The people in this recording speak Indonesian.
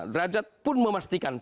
derajat pun memastikan